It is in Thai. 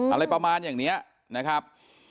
อะไรประมาณอย่างนี้นะครับ